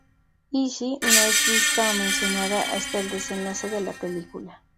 Ishii no es vista o mencionada hasta el desenlace de la película.